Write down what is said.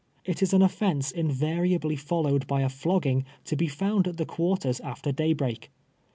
It is an ofience invariably followed by a flogging, to be found at the cpiarters after daybreak.